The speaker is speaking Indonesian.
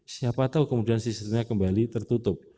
siapa tahu kemudian sistemnya kembali tertutup